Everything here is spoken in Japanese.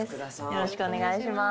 よろしくお願いします。